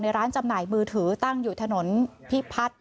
ร้านจำหน่ายมือถือตั้งอยู่ถนนพิพัฒน์